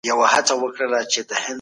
که رسنۍ نه وي خلک به له نړۍ بي خبره وي.